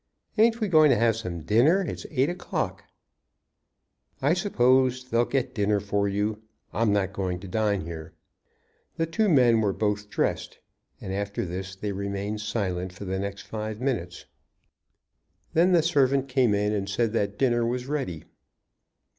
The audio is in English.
Ain't we going to have some dinner? It's eight o'clock." "I suppose they'll get dinner for you; I'm not going to dine here." The two men were both dressed and after this they remained silent for the next five minutes. Then the servant came in and said that dinner was ready.